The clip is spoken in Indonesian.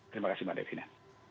terima kasih mbak devina